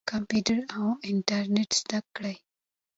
کمپیوټر او انټرنیټ زده کړئ.